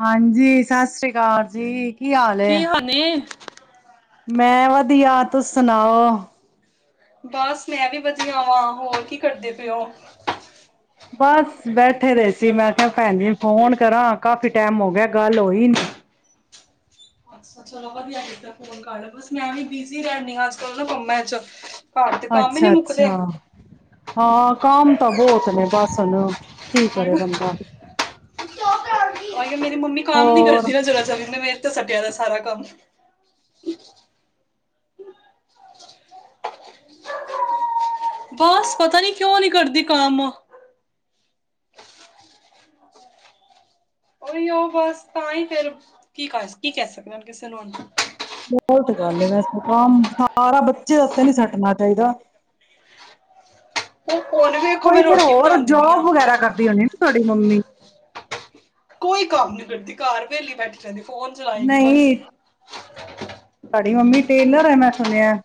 ਹਾਂਜੀ ਸਤਿ ਸ੍ਰੀ ਅਕਾਲ ਜੀ। ਹਾਲ ਏ ਕੀ [inaudible] ਹੋਨੀ ਮੈਂ ਵਧੀਆ ਤੁਸੀਂ ਸੁਣਾਓ। ਬਸ ਮੈਂ ਵੀ ਵਧੀਆ ਵਾਂ, ਹੋਰ ਕੀ ਕਰਦੇ ਪਏ ਓ? ਬਸ ਬੈਠੇ ਦੇ ਸੀ ਮੈਂ ਕਿਹਾ ਭੈਣ ਜੀ ਨੂੰ ਫੋਨ ਕਰਾਂ ਕਾਫੀ ਟਾਈਮ ਹੋ ਗਿਆ ਗੱਲ ਹੋਈ ਨੀ। ਅੱਛਾ ਚਲੋ ਵਧੀਆ ਕੀਤਾ ਫੋਨ ਕਰ ਲਿਆ। ਬਸ ਮੈਂ ਵੀ ਬਿਜ਼ੀ ਰਹਿੰਦੀ ਹਾਂ ਅੱਜਕੱਲ ਨਾ ਕੰਮਾਂ ਚ। ਦੇ ਕੰਮ ਹੀ ਨਹੀਂ ਅੱਛਾ ਮੁੱਕਦੇ। ਅੱਛਾ। ਹਾਂ ਕੰਮ ਤਾਂ ਬਹੁਤ ਨੇ ਬਸ ਹੁਣ। ਕੀ ਕਰੇ ਬੰਦਾ। ਮੇਰੀ ਮੰਮੀ ਕਾਮ ਨੀ ਹੋਰ ਕਰਦੀ ਨਾ ਜਰਾ ਜਾ ਵੀ। ਮੇਰੇ ਤੇ ਸਟਿਆ ਦਾ ਸਾਰਾ ਕੰਮ ਬਸ ਪਤਾ ਨੀ ਕਿਉਂ ਨੀ ਕਰਦੀ ਕੰਮ? ਉਹੀ ਉਹ ਬਸ ਤਾਂਹੀ ਫੇਰ ਕੀ ਕਰ ਕੀ ਕਹਿ ਸਕਦੇ ਹੁਣ ਕਿਸੇ ਨੂੰ? ਬਹੁਤ [unintelligible] ਤੇ ਉੱਤੇ ਨਹੀਂ ਸੱਟਣਾ ਚਾਹੀਦਾ। [inaudible] ਵੇਖੋ ਮੈਂ ਕੋਈ ਫਿਰ ਰੋਟੀ ਹੋਰ ਬਣਾਉਂਦੀ ਪਈ ਆ। ਜੋਬ ਵਗੈਰਾ ਕਰਦੀ ਹੋਣੀ ਨਾ ਤੁਹਾਡੀ ਮੰਮੀ? ਕੋਈ ਕੰਮ ਨੀ ਕਰਦੀ ਘਰ ਵਿਹਲੀ ਬੈਠੀ ਰਹਿੰਦੀ। ਫੋਨ ਚਲਾਏਗੀ ਬਸ ਨਹੀਂ ਤੁਹਾਡੀ ਮੰਮੀ ਟੇਲਰ ਐ ਮੈਂ ਸੁਣਿਆ।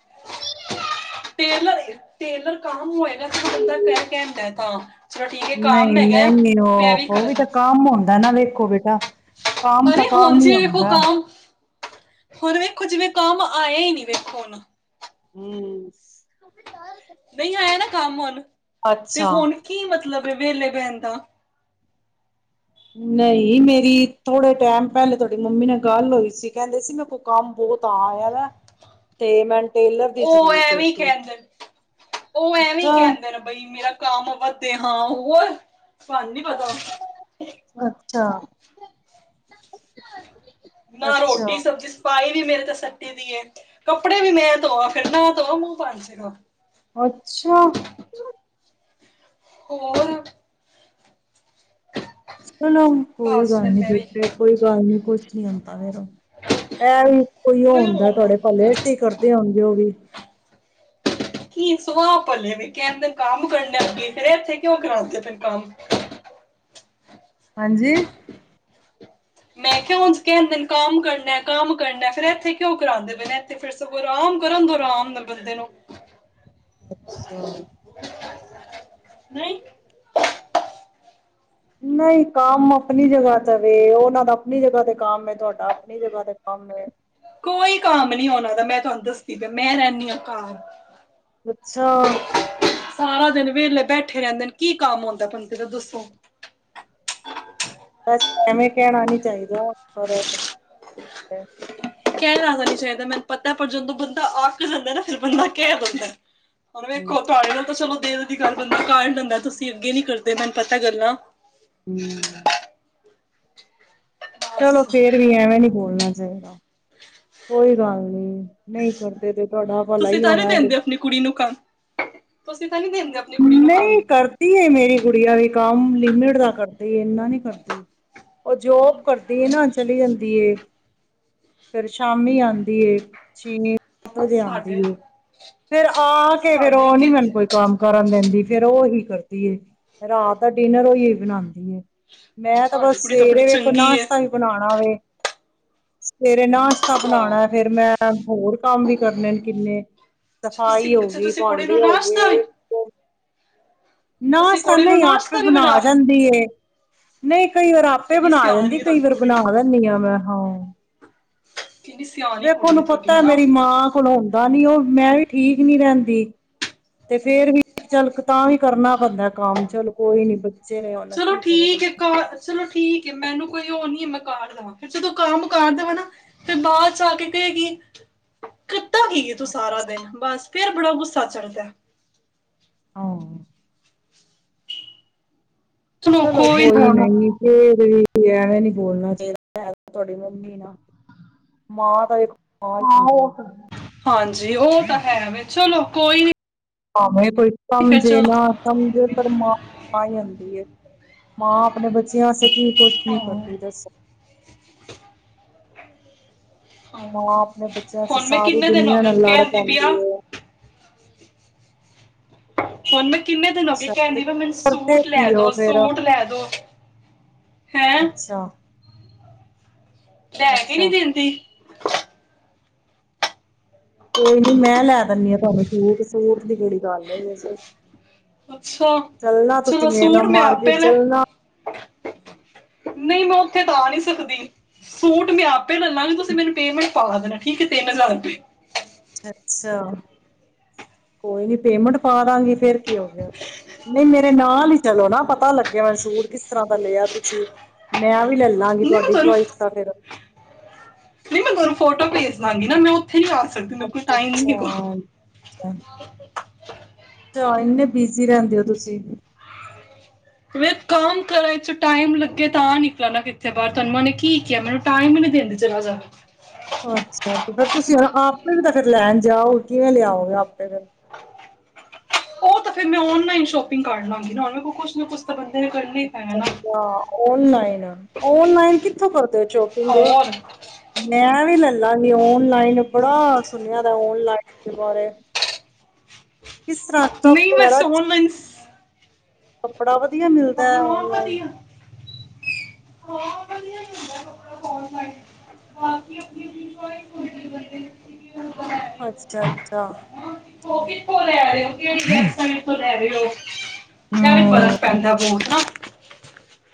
ਟੇਲਰ ਟੇਲਰ ਕੰਮ ਹੋਏਗਾ [unintelligible] [unintelligible] ਕਾਮ ਨਹੀਂ ਹੈਗਾ ਨਹੀਂ ਮੈਂ ਉਹ ਉਹ ਵੀ ਕਰਨ ਤਾਂ ਕੰਮ ਹੁੰਦਾ ਨਾ ਵੇਖੋ ਬੇਟਾ ਕੰਮ ਤਾਂ ਅਰੇ ਹੁਣ ਕਾਮ ਹੀ ਜੀ ਵੇਖੋ ਹੁੰਦਾ। ਕਾਮ ਹੁਣ ਵੇਖੋ ਜਿਵੇਂ ਕੰਮ ਆਇਆ ਹੀ ਨਹੀਂ ਵੇਖੋ ਹੁਣ। ਹੂੰ। ਨਹੀਂ ਆਇਆ ਨਾ ਕੰਮ ਹੁਣ? ਤੇ ਅੱਛਾ ਹੁਣ ਕੀ ਮਤਲਬ ਵਿਹਲੇ ਬੈਣ ਦਾ। ਨਹੀਂ, ਮੇਰੀ ਥੋੜੇ ਟਾਈਮ ਪਹਿਲੇ ਤੁਹਾਡੀ ਮੰਮੀ ਨਾਲ ਗੱਲ ਹੋਈ ਸੀ ਕਹਿੰਦੇ ਸੀ ਮੇਰੇ ਕੋਲ ਕੰਮ ਬਹੁਤ ਆ ਤੇ ਮੈਂ ਉਹ ਐਵੀ ਕਹਿੰਦੇ ਉਹ ਐ ਵੀਂ ਅੱਛਾ ਕਹਿੰਦੇ ਨੇ ਬਈ ਮੇਰਾ ਕੰਮ ਵਧੇ ਹਾਂ ਹੂੰ [inaudible] ਸਾਨੂੰ ਨੀ ਪਤਾ ਅੱਛਾ ਨਾ ਅੱਛਾ ਰੋਟੀ ਸਬਜ਼ੀ ਸਪਾਈ ਵੀ ਮੇਰੇ ਤੇ ਸੱਟੀ ਦਈ ਕੱਪੜੇ ਵੀ ਮੈਂ ਧੋਆ ਫਿਰ ਨਾ ਧੋ ਮੂੰਹ [unintelligible] ਅੱਛਾ। ਹੋਰ। ਚਲੋ ਕੋਈ ਬਸ ਗੱਲ ਫਿਰ ਨੀ ਮੈਂ ਵੀ ਬੇਟੇ ਕੋਈ ਗੱਲ ਨੀ ਕੁੱਛ ਨੀ ਹੁੰਦਾ ਫੇਰ ਇਹ ਵੀ ਕੋਈ ਓ ਹੁੰਦਾ ਤੁਹਾਡੇ ਭਲੇ ਵਸਤੇ ਹੀ ਕਰਦੇ ਹੋਣਗੇ ਓ ਵੀ ਕੀ ਸਵਾਹ ਭਲੇ ਨੇ [unintelligible] ਕਹਿਣ [unintelligible] ਕੰਮ ਕਰਨਾ ਅੱਗੇ ਫੇਰ ਇੱਥੇ ਕਿਉਂ ਕਰਾਂਦੇ ਫੇਰ ਕੰਮ ਹਾਂਜੀ ਮੈਂ ਕਿਹਾ ਉਂਜ ਕਹਿੰਦੇ ਨੇ ਕੰਮ ਕਰਨਾ ਕੰਮ ਕਰਨਾ ਫੇਰ ਇੱਥੇ ਕਿਉਂ ਕਰਾਉਂਦੇ ਪਏ ਨੇ ਇੱਥੇ ਫਿਰ ਸਗੋਂ ਆਰਾਮ ਕਰਨ ਦੋ ਆਰਾਮ ਨਾ ਬੰਦੇ ਨੂੰ ਅੱਛਾ। ਨਹੀਂ। ਨਹੀਂ ਕੰਮ ਆਪਣੀ ਜਗ੍ਹਾ ਤੇ ਵੇ ਉਹਨਾਂ ਦਾ ਆਪਣੀ ਜਗ੍ਹਾ ਤੇ ਕੰਮ ਐ ਤੁਹਾਡਾ ਆਪਣੀ ਜਗ੍ਹਾ ਤੇ ਕੰਮ ਐ ਕੋਈ ਕੰਮ ਨੀ ਉਹਨਾਂ ਦਾ ਮੈਂ ਤੁਹਾਨੂੰ ਦੱਸਦੀ ਪਈ ਮੈਂ ਰਹਿਨੀ ਆ ਘਰ ਅੱਛਾ। ਸਾਰਾ ਦਿਨ ਵੇਹਲੇ ਬੈਠੇ ਰਹਿੰਦੇ ਨੇ ਕੀ ਕੰਮ ਹੁੰਦਾ ਬੰਦੇ ਦਾ ਦੱਸੋ [unintelligible] ਐਵੇਂ ਕਹਿਣਾ ਨੀ ਚਾਹੀਦਾ ਪਰ ਤੇ [inaudible] ਕਹਿਣਾ ਤਾਂ ਨੀ ਚਾਹੀਦਾ ਮੈਨੂੰ ਪਤਾ ਪਰ ਜਦੋਂ ਬੰਦਾ ਅੱਕ ਜਾਂਦਾ ਨਾ ਫਿਰ ਬੰਦਾ ਕਹਿ ਦਿੰਦਾ ਹੁਣ ਹੂੰ ਵੇਖੋ ਤੁਹਾਡੇ ਨਾਲ ਤਾਂ ਚਲੋ ਦਿਲ ਦੀ ਗੱਲ ਬੰਦਾ ਕਰ ਲੈਂਦਾ ਤੁਸੀਂ ਅੱਗੇ ਨੀ ਕਰਦੇ ਮੈਨੂੰ ਪਤਾ ਗੱਲਾਂ ਹੂੰ। ਚਲੋ ਬਸ ਫੇਰ ਵੀ ਐਵੇਂ ਨੀ ਬੋਲਣਾ [inaudible] ਕੋਈ ਗੱਲ ਨੀ ਨਹੀਂ ਕਰਦੇ ਤੇ ਤੁਹਾਡਾ ਭਲਾ ਤੁਸੀਂ ਹੀ [unintelligible] ਹੋਣਾ ਦਿੰਦੇ ਆਪਣੀ ਕੁੜੀ ਨੂੰ ਕੰਮ ਤੁਸੀਂ ਤਾਂ ਨੀ ਦਿੰਦੇ ਆਪਣੀ ਕੁੜੀ ਨੂੰ ਕੰਮ ਨਹੀਂ ਕਰਦੀ ਏ ਮੇਰੀ ਗੁੱਡੀਆ ਵੀ ਕੰਮ ਲਿਮਿਟ ਦਾ ਕਰ ਦੀ ਏ ਐਨਾ ਨੀ ਕਰਦੀ ਉਹ ਜੋਬ ਕਰਦੀ ਏ ਨਾ ਚਲੀ ਜਾਂਦੀ ਏ। ਫੇਰ ਸ਼ਾਮੀ ਆਉਂਦੀ ਏ ਚੀਨੀ ਸੱਤ ਵਜੇ ਸਾਡੇ ਆਉਂਦੀ ਫੇਰ ਆ ਕੇ ਫੇਰ ਸਾਡੇ ਉਹ ਨੀ ਮੈਨੂੰ ਕਿੱਥੇ ਕੋਈ ਕੰਮ ਕਰਨ ਦੇਂਦੀ ਫੇਰ ਉਹ ਉਹੀ ਕਰਦੀ ਏ ਰਾਤ ਦਾ ਡਿਨਰ ਓਹੀ ਏ ਬਣਾਦੀ ਏ। ਮੈਂ ਤਾਂ ਤੁਹਾਡੀ ਬਸ ਕੁੜੀ ਬੜੀ ਸਵੇਰੇ ਵੇਖੋ ਚੰਗੀ ਹੈ ਨਾਸ਼ਤਾ ਹੀ ਬਣਾਣਾ ਵੇ। ਸਵੇਰੇ ਨਾਸ ਤਾ ਬਣਾਉਣਾ ਹਾਂ ਫੇਰ ਮੈਂ ਹੋਰ ਕੰਮ ਵੀ ਕਰਨੇ ਨੇ ਕਿੰਨੇ ਤੁਸੀਂ ਸਫ਼ਾਈ ਹੋ ਗਈ, ਤੁਸੀਂ ਕੁੜੀ ਨੂੰ ਭਾਂਡੇ ਹੋ ਨਾਸ਼ਤਾ ਵੀ ਗਏ। ਨਾ ਤੁਸੀਂ ਕੁੜੀ ਸਾਨੂੰ ਨੂੰ ਹੀ ਆਪੇ ਨਾਸ਼ਤਾ ਵੀ ਬਣਾ ਜਾਂਦੀ ਏ। ਨਹੀਂ ਕਈ ਵਾਰ ਆਪੇ ਕਿੰਨੀ ਬਣਾ ਜਾਂਦੀ ਸਿਆਣੀ ਹੈ ਕਈ ਤੁਹਾਡੀ ਵਾਰ ਕੁੜੀ ਬਣਾ ਦਿੰਦੀ ਆਂ ਮੈਂ ਹਾਂ ਕਿੰਨੀ ਸਿਆਣੀ ਵੇਖੋ ਕੁੜੀ ਹੈ ਉਹਨੂੰ ਤੁਹਾਡੀ ਪਤਾ ਹਾਂ ਮੇਰੀ ਮਾਂ ਕੋਲ ਹੁੰਦਾ ਨੀ ਉਹ ਮੈਂ ਵੀ ਠੀਕ ਨੀ ਰਹਿੰਦੀ। ਤੇ ਫੇਰ ਵੀ ਚਲ ਤਾਂ ਵੀ ਕਰਨਾ ਪੈਂਦਾ। ਕੰਮ ਚੱਲ ਕੋਈ ਨੀ ਬੱਚੇ ਨੇ ਹੁਣ ਚਲੋ ਕੀ ਕਰੇ ਠੀਕ ਹੈ ਬੰਦਾ। ਘ ਚਲੋ ਠੀਕ ਹੈ ਮੈਨੂੰ ਕੋਈ ਹੋ ਨਹੀਂ। ਮ ਕਰ ਦੇਵਾਂ ਫਿਰ ਜਦੋਂ ਕੰਮ ਕਰ ਦੇਵਾਂ ਨਾ ਫਿਰ ਬਾਅਦ 'ਚ ਆ ਕੇ ਕਹੈ ਗੀ ਕੀਤਾ ਕੀ ਏ ਤੂੰ ਸਾਰਾ ਦਿਨ ਬਸ ਫੇਰ ਬੜਾ ਗੁੱਸਾ ਚੜਦਾ। ਆਹ ਚਲੋ ਕੋਈ ਨਹੀਂ ਫੇਰ ਵੀ ਐਵੇਂ ਨੀ ਬੋਲਣਾ ਚਾਹੀਦਾ ਤੁਹਾਡੀ ਮੰਮੀ ਨਾ ਮਾਂ ਦਾ ਇੱਕ ਆਲ ਹਾਂ ਉਹ ਇੰਡੀਆ। ਤਾਂ ਹਾਂਜੀ ਉਹ ਤਾਂ ਹੈ ਵੇ, ਚਲੋ ਕੋਈ ਹਾਂ, ਕੋਈ ਨੀ ਫਿਰ ਸਮਝੇ ਚਲੋ ਨਾ ਸਮਝੇ ਪਰ ਮਾਂ, ਮਾਂ ਹੀ ਹੁੰਦੀ ਐ। ਮਾਂ ਆਪਣੇ ਬੱਚਿਆਂ ਵਾਸਤੇ ਕੀ ਕੁਛ ਨੀ ਹਾਂ ਕਰਦੀ ਦੱਸੋ। ਮਾਂ ਹਾਂ, ਆਪਣੇ ਬੱਚਿਆਂ ਵਾਸਤੇ ਹੁਣ ਮੈਂ ਸਾਰੀ ਕਿੰਨੇ ਦਿਨ ਹੋ ਦੁਨੀਆਂ ਗਏ ਨਾਲ ਲੜ ਕਹਿੰਦੀ ਪਈ ਆ ਪੈਂਦੀ ਹੈ। ਹੁਨ ਮੈਂ, ਕਿੰਨੇ ਦਿਨ ਹੋਗੇ ਅੱਛਾ ਕਹਿੰਦੀ ਵੀ ਮੈਨੂੰ ਕਰਦੇ ਸੂਟ ਕੀ ਉਹ ਲੈਦੋ ਫੇਰ ਸੂਟ ਲੈਦੋ। ਅੱਛਾ-ਅੱਛਾ। ਲੇ ਕੇ ਹੀ ਨੀ ਦਿੰਦੀ। ਕੋਈ ਨੀ ਮੈਂ ਲੈ ਦੱਨੀ ਹਾਂ, ਤੁਹਾਨੂੰ ਸੂਟ-ਸੂਟ। ਕਿ ਕਿਹੜੀ ਗੱਲ ਐ, ਅੱਛਾ ਚੱਲਣਾ ਤੁਸੀਂ ਚਲੋ ਮੇਰੇ ਨਾਲ ਸੂਟ ਮੈਂ ਮਾਰਕਿਟ ਆਪੇ ਲੈ ਚੱਲਣਾ। ਨਹੀਂ ਮੈਂ ਉੱਥੇ ਤਾਂ ਆ ਨਹੀਂ ਸਕਦੀ ਸੂਟ ਮੈਂ ਆਪੇ ਲੈਲੇਗੀ, ਤੁਸੀਂ ਮੈਨੂੰ ਪੇਮੈਂਟ ਪਾ ਦੇਣਾ ਠੀਕ ਹੈ, ਤਿੰਨ ਹਜ਼ਾਰ ਰੁਪਏ ਅੱਛਾ, ਕੋਈ ਨੀ ਪੇਮੈਂਟ ਪਾ ਦਾਂਗੀ। ਫੇਰ ਕੀ ਹੋ ਗਿਆ, ਹੋ ਨਹੀਂ ਮੇਰੇ ਨਾਲ ਹੀ ਚਲੋ ਨਾ ਪਤਾ ਲੱਗਿਆ, ਮੈ ਸੂਟ ਕਿਸ ਤਰ੍ਹਾਂ ਦਾ ਲਿਆ ਤੁਸੀਂ ਮੈਂ ਵੀ ਲੈਲਾਂਗੀ ਨਹੀਂ ਮੈਂ ਤੁਹਾਡੀ ਤੁਹਾਨੂੰ ਚਆਇਸ ਤਾਂ ਫਿਰ। ਨਹੀਂ ਮੈਂ ਥੋਨੂੰ ਫੋਟੋ ਭੇਜ ਦਾਂਗੀ, ਨਾ ਮੈਂ ਉ ਅੱਛਾ-ਅੱਛਾ ਇਨੇ ਬਿਜੀ ਰਹਿੰਦੇ ਔ। ਤੁਸੀ, ਕੰਮ ਕਰਾਂ ਏਚ ਚੋਂ ਟਾਈਮ ਲੱਗੇ, ਤਾਂ ਨਿਕਲ ਨਾ ਕਿੱਥੇ ਬਾਹਰ ਤਹਾਨੂੰ ਨੇ ਕੀ ਕਿਹਾ ਮੈਨੂੰ ਟਾਈਮ ਹੀ ਨੀ ਦਿੰਦੀ ਜਰਾ ਜਾ ਵੀ ਅੱਛਾ, ਤੇ ਫਿਰ ਤੁਸੀਂ ਆਪੇ ਵੀ ਤੇ ਫਿਰ ਲੈਣ ਜਾਓ, ਕਿਵੇਂ ਲਿਆਓਗੇ ਆਪੇ ਫ ਉਹ ਤਾਂ ਫਿਰ ਮੈਂ ਔਨਲਾਈਨ ਸ਼ੋਪਿੰਗ ਕਰ ਲਾਂਗੀ, ਨਾ ਹੁਣ ਮੈਂ ਕੋ ਕੁਛ ਨਾ ਕੁਛ ਤਾਂ ਬ ਔਨਲਾਈਨ-ਔਨਲਾਈਨ ਕਿੱਥੋਂ ਕਰਦੇ ਹੋ ਸ਼ੋਪਿੰਗ, ਔਰ ਮੈਂ ਵੀ ਲੈਲਾਂਗੀ ਔਨਲਾਈਨ ਬੜਾ ਸੁਣਿਆ ਔਨਲਾਈਨ ਬਾਰੇ ਕਿਸ ਤਰ੍ਹਾਂ ਸਟਫ ਨਹੀਂ ਬਸ ਔਨਲਾਨ ਹ [inaudible] ਬੜਾ ਵਧੀਆ ਮਿਲਦਾ ਹੈ, ਔਨਲਾਈਨ ਵਧੀਆ ਹਾਂ ਵਧੀਆ ਮਿਲਦਾ ਕੱਪੜਾ, ਬਾਕੀ ਆਪਣੀ-ਆਪਣੀ ਚੁਆਇਸ ਹੁੰਦੀ ਐ। ਹੇ ਅੱਛਾ ਅੱਛਾ ਕਿੱਥੋਂ ਲੈ ਰਹੇ ਹੋ ਕਿਹੜੀ [unintelligible] ਤੋਂ ਲੈ ਰਹੇ ਹੋ। ਐ ਵੀ ਫਰਕ ਪੈਂਦਾ ਬਹੁਤ ਨਾ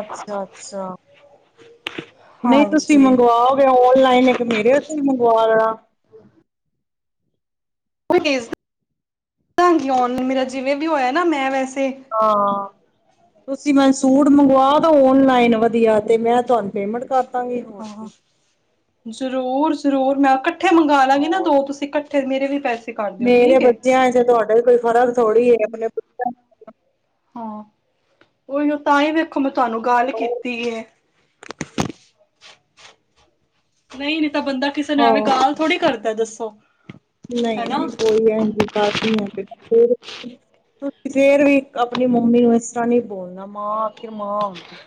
ਅੱਛਾ-ਅੱਛਾ, ਨਹੀਂ ਤੁਸੀਂ ਹਾਂਜੀ ਮੰਗਵਾਓਗੇ ਔਨਲਾਈਨ ਫੇਰ ਮੇਰੇ ਉੱਥੋ ਮੰਗਵਾ ਲੇਨਾ ਮੇਰਾ ਜਿਵੇਂ ਵੀ ਹੋਇਆ ਨਾ ਮੈਂ ਵੈਸੇ ਹਾਂ ਤੁਸੀਂ ਮ ਸੂਟ ਮੰਗਵਾਓ ਤਾਂ ਔਨ ਲਾਈਨ ਵਧੀਆ ਤੇ ਮੈਂ ਤੁਹਾਨੂੰ ਪੇਮੈਂਟ ਕਰ ਕਰਦਾਗੀ ਹੋਰ ਹਾਂ ਕੀ ਜ਼ਰੂਰ ਜ਼ਰੂਰ ਮੈਂ ਘ ਇਕੱਠੇ ਮੰਗਲਾਂਗੀ ਨਾ ਹਾਂ ਦੋ ਤੁਸੀਂ ਇੱ ਫਿਰ ਮੇਰੇ ਵੀ ਪੈਸੇ ਕਰ ਦਿਓ ਮੇਰੇ ਠੀਕ ਏ ਬੱਚਿਆਂ ਜਾਂ ਤੁਹਾਡਾ ਕੋਈ ਫਰਕ ਥੋੜੀ ਹੈਗਾ [unintelligible] ਹਾਂ, ਉਹੀ ਤਾਂ ਹੀ ਵੇਖੋ ਮਤ ਤੁਹਾਨੂੰ ਗੱਲ ਨੂੰ ਕੀਤੀ ਐ। ਨਹੀਂ ਨਹੀਂ ਤਾਂ ਬੰਦਾ ਕਿਸੇ ਨੇ ਐਵੇਂ ਹਾਂ ਗਾਲ ਥੋੜੀ ਕਰਦਾ ਦੱਸੋ ਸ [inaudible] ਨਹੀਂ ਨਹੀਂ, ਕੋਈ [unintelligible] ਤੁਸੀਂ ਫਿਰ ਵੀ ਆਪਣੀ ਮੰਮੀ ਨੂੰ ਇਸ ਤਰ੍ਹਾਂ ਨੀ ਬੋਲਣਾ ਮਾਂ ਆਖਿਰ ਮਾਂ ਹੁੰਦੀ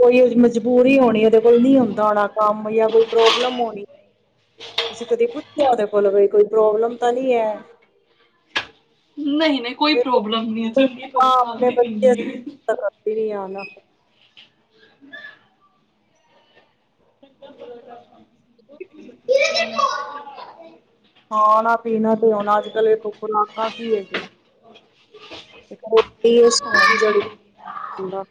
ਕੋਈ ਮਜਬੂਰੀ ਹੋਣੀ ਉਹਦੇ ਕੋਲ ਨਹੀਂ ਹੁੰਦਾ ਹੋਣਾ ਕੰਮ ਜਾਂ ਕੋਈ ਪ੍ਰੋਬਲਮ ਹੋਣੀ ਤੁਸੀਂ ਕਦੇ ਪੁੱਛਿਆ ਉਹਦੇ ਕੋਲ ਭ ਕੋਈ ਪ੍ਰੋਬਲਮ ਤਾਂ ਨਹੀਂ ਐ। ਨਹੀਂ ਨਹੀਂ, ਕੋਈ ਪ੍ਰੋਬਲਮ ਨਹੀਂ ਹੈ, ਚੰਗੀ ਭਲੀ ਮਾਂ ਆਪਣੇ ਖਾਦੀ ਬੱਚੇ ਪੀਂਦੀ ਐ ਤਾਂ ਕਰਦੀ ਨਹੀਂ ਆ ਨਾ [unintelligible] [unintelligible] ਖਾਣਾ ਪੀਣਾ ਤੇ ਹੁਣ ਅੱਜ ਕੱਲ [unintelligible] ਇੱਕ [unintelligible]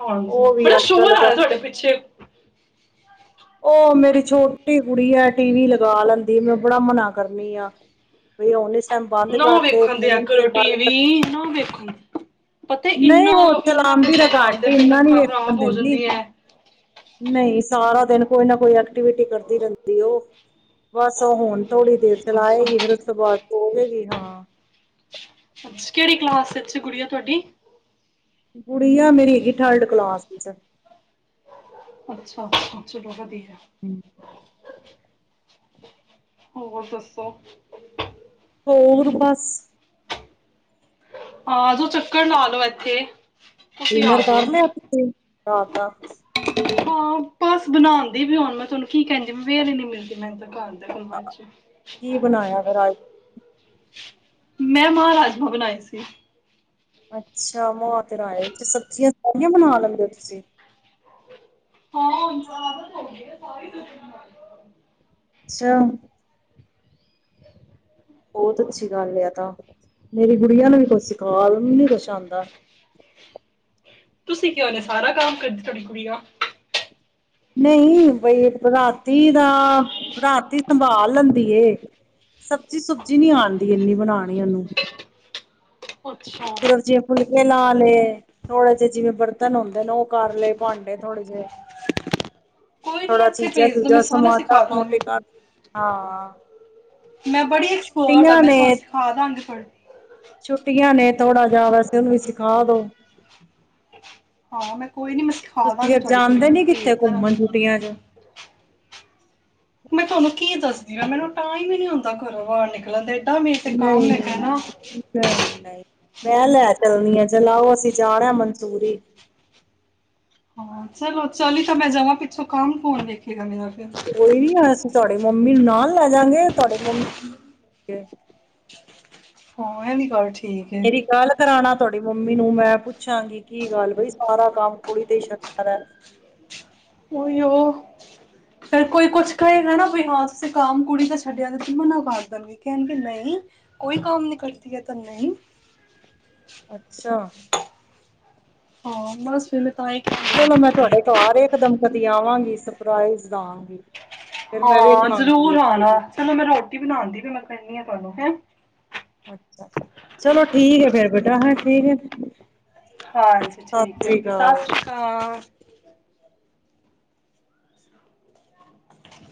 ਹਾਂਜੀ, ਉਹ ਵੀ ਬੜਾ ਅੱਜ ਸ਼ੋਰ ਕੱਲ ਆ ਰਿਹਾ ਤੁਹਾਡੇ ਪਿੱਛੇ। ਉਹ ਮੇਰੀ ਛੋਟੀ ਕੁੜੀ ਐ ਟੀਵੀ ਲਗਾ ਲੈਂਦੀ ਆ ਮੈਂ ਬੜਾ ਮਨਾ ਕਰਨੀ ਆ ਬਈ ਓਹਨੇ ਨਾ ਵੇਖਣ ਦਿਆ ਕਰੋ ਟੀਵੀ ਨਾ ਵੇਖਣ ਪਤਾ ਨਹੀਂ ਇੰਨਾ ਉਹ ਇੰਨਾ ਚਲਾਉਂਦੀ ਪਛ ਤਾਂ ਘੱਟ ਖਾਂਦੇ ਹੀ ਪਏ ਇੰਨਾ ਨੀ ਅੱਖਾਂ ਵੇਖਣ ਖ਼ਰਾਬ ਹੋ ਦਿੰਦੀ ਜਾਂਦੀਆਂ। ਨਹੀਂ ਸਾਰਾ ਦਿਨ ਕੋਈ ਨਾ ਕੋਈ ਐਕਟੀਵਿਟੀ ਕਰਦੀ ਰਹਿੰਦੀ ਉਹ। ਬਸ ਉਹ ਹੁਣ ਥੋੜ੍ਹੀ ਦੇਰ ਅੱਛਾ ਚਲਾਏਗੀ ਫਿਰ ਉਸ ਤੋਂ ਬਾਅਦ ਸੋਜੇਗੀ ਹਾਂ। ਅੱਛਾ ਕਿਹੜੀ ਕਲਾਸ ਵਿੱਚ ਗੁਡੀਆਂ ਤੁਹਾਡੀ। ਗੁਡੀਆਂ ਮੇਰੀ ਹੈਗੀ ਥਰਡ ਕਲਾਸ ਚ ਅੱਛਾ [unintelligible] ਹੂੰ। ਹੋਰ ਦੱਸੋ। ਹੋਰ ਬਸ ਹਾਂ ਆਜੋ ਚੱਕਰ ਲਾ ਲੋ ਇੱਥੇ। ਤੁਸੀਂ ਆ ਡਿਨਰ ਜਾਓ ਕਰ ਲਿਆ [unintelligible] ਰਾਤ ਦਾ। ਹਾਂ, ਬਸ ਬਣਾਉਦੀ ਪਈ ਹੁਣ ਮੈਂ ਤੁਹਾਨੂੰ ਕੀ ਕਹਿੰਦੀ ਪਈ ਬੇਲ ਹੀ ਨਹੀਂ ਮਿਲਦੀ ਮੈਨੂੰ ਘਰ [unintelligible] ਅੱਛਾ। ਕੀ ਬਣਾਇਆ ਫਿਰ ਅੱਜ ਮੈਂ ਮਾਹ ਰਾਜਮ ਬਣਾਏ ਸੀ। ਅੱਛਾ [unintelligible] ਸਬਜ਼ੀਆਂ ਬੜੀਆਂ ਬਣਾ ਲੈਂਦੇ ਹੋ ਤੁਸੀਂ। ਹਾਂ [inaudible] [inaudible] ਅੱਛਾ। ਬਹੁਤ ਅੱਛੀ ਗੱਲ ਆ ਤਾਂ। ਮੇਰੀ ਗੁੜੀਆਂ ਨੂੰ ਵੀ ਕੁਝ ਸਿਖਾ ਉਹਨੂੰ ਨੀ ਕੁਛ ਆਂਦਾ। ਤੁਸੀਂ ਕਿਉਂ ਐਨਾ ਸਾਰਾ ਕੰਮ ਕਰਦੇ ਤੁਹਾਡੀ ਕੁੜੀਆਂ ਨਹੀਂ ਬਈ ਰਾਤੀ ਦਾ ਰਾਤੀ ਸੰਭਾਲ ਲੈਂਦੀ ਏ ਸਬਜ਼ੀ ਸੁਬਜੀ ਨਹੀਂ ਆਂਦੀ ਇਨੀ ਬਣਾਉਣੀ ਉਹਨੂੰ। ਅੱਛਾ ਫਿਰ [unintelligible] ਲਾ ਲੇ। ਥੋੜੇ ਜਿਹੇ ਜਿਵੇਂ ਬਰਤਨ ਹੁੰਦੇ ਨੇ ਉਹ ਕਰਲੇ ਭਾਂਡੇ ਧੋਲੇ ਜਿਵੇਂ। ਕੋਈ ਨੀ ਇੱਥੇ ਭੇਜ ਦਿ ਮੈਂ ਚੂਜਾ ਸਾਰਾ ਸਮਾਟਾ ਸਿਖਾਦਾਂਗੀ ਮੋਟੇ ਕਰ ਹਾਂ ਮੈਂ ਬੜੀ ਐਕਸਪਰਟ ਆ ਛੁੱਟੀਆਂ ਮੈਨੂੰ ਨੇ ਸਿਖਾਦਾਂਗੀ। ਛੁੱਟੀਆਂ ਨੇ ਥੋੜਾ ਜਾ ਵੈਸੇ ਉਹਨੂੰ ਵੀ ਸਿਖਾ ਦੋ। ਹਾਂ, ਮੈਂ ਕੋਈ ਨੀ ਮੈਂ ਤੁਸੀਂ ਸਿਖਾਦਾਂਗੀ ਫਿਰ ਤੁਹਾਡੀ ਕੁੜੀਆਂ ਜਾਂਦੇ ਨੀ ਨੂੰ ਕਿੱਥੇ ਘੁੰਮਣ ਛੁੱਟੀਆਂ ਚ [unintelligible] ਮੈਂ ਤੁਹਾਨੂੰ ਕੀ ਦੱਸਦੀ ਜਿਵੇ ਮੈਨੂੰ ਟਾਈਮ ਹੀ ਨਹੀਂ ਹੁੰਦਾ ਘਰੋਂ ਬਾਹਰ ਨਿਕਲਣ ਦੇ। ਨਹੀਂ ਨਹੀਂ ਨਹੀਂ ਮੈਂ ਲੈ ਚੱਲਣੀ ਆ ਚਲਾਓ ਅਸੀਂ। ਜਾਣਾ ਮਨਸੂਰੀ। ਹਾਂ, ਚਲੋ ਚਲੀ ਤਾਂ ਮੈਂ ਜਵਾਂ ਪਿੱਛੋਂ ਕੰਮ ਕੌਣ ਦੇਖੇਗਾ ਮੇਰਾ। ਫਿਰ ਕੋਈ ਨੀ ਅਸੀਂ ਤੁਹਾਡੇ ਮੰਮੀ ਨੂੰ ਨਾਲ ਲੈ ਜਾਗੇ ਤੁਹਾਡੇ ਮੰਮੀ [unintelligible] ਹਾਂ ਐ ਵੀ ਗੱਲ ਠੀਕ। ਹੈ ਮੇਰੀ ਗੱਲ ਕਰਾਉਣਾ ਤੁਹਾਡੀ ਮਮੀ ਮੰਮੀ ਨੂੰ ਮੈਂ ਪੁੱਛਾਂਗੀ। ਕੀ ਗੱਲ ਬਈ ਸਾਰਾ ਕੰਮ ਕੁੜੀ ਤੇ ਹੀ [unintelligible] ਉਹੀਓ ਓ ਫਿਰ ਕੋਈ ਕੁਛ ਕਹੇਗਾ ਨਾ ਵੀ ਹਾਂ ਤੁਸੀਂ ਕੰਮ ਕੁੜੀ ਦਾ ਛੱਡਿਆ [unintelligible] ਮਨਾ ਕਰ ਦੇਣਗੇ ਕਹਿਣਗੇ ਨਹੀਂ ਕੋਈ ਕੰਮ ਨੀ ਕਰਦੀ ਆ ਤਾਂ ਨਹੀਂ। ਅੱਛਾ। ਹਾਂ ਬਸ ਵਿਹਲੇ ਤਾਂ ਹੀ। ਚਲੋ ਮੈਂ ਤੁਹਾਡੇ ਘਰ ਇਕ ਦਮ ਕਦੀ ਆਵਾਂਗੀ ਸਰਪ੍ਰਾਈਜ਼ ਦਹਾਂਗੀ। ਹਾਂ, ਜ਼ਰੂਰ ਆਣਾ ਚਲੋ ਮੈਂ ਰੋ ਰੋਟੀ ਬਣਾਣ ਦੀ ਪਈ ਮੈਂ ਕਰਨੀ ਆ ਤੁਹਾਨੂੰ ਹੈਂ। ਅੱਛਾ ਚਲੋ ਠੀਕ ਐ ਫੇਰ ਬੇਟਾ ਹੈ ਠੀਕ ਐ। ਹਾਂਜੀ, ਠੀਕ ਐ ਸਤਿ ਸ੍ਰੀ ਅਕਾਲ